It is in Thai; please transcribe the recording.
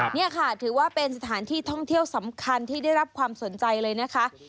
นี่ค่ะถือว่าเป็นสถานที่ท่องเที่ยวสำคัญที่ได้รับความสนใจเลยนะคะ